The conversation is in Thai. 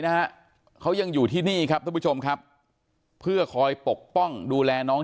นะฮะเขายังอยู่ที่นี่ครับทุกผู้ชมครับเพื่อคอยปกป้องดูแลน้อง